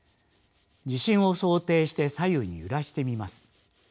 地震を想定して左右に揺らしてみます。